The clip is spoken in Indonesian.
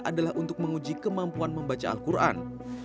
adalah untuk menguji kemampuan membaca al quran